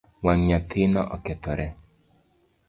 Wang nyathino okethore .